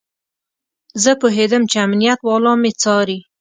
زه پوهېدم چې امنيت والا مې څاري.